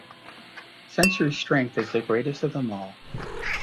Sentry's strength is the greatest of them all.